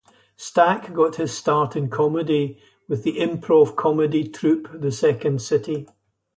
Stack got his start in comedy with the improv comedy troupe The Second City.